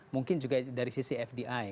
mungkin juga dari sisi fdi